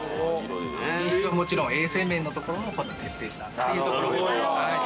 ◆品質はもちろん、衛生面のところも徹底したというところで。